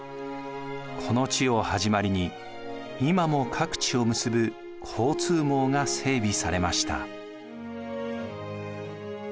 この地を始まりに今も各地を結ぶ交通網が整備されました。